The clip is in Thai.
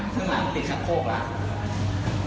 ข้างหลังกินกับโคกแล้ว